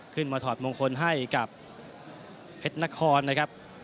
ถอดมงคลให้กับเพชรนครนะครับ